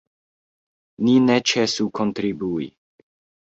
Ni ne ĉesu kontribui.